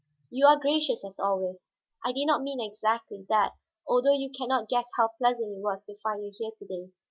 "You are gracious, as always. I did not mean exactly that, although you can not guess how pleasant it was to find you here to day.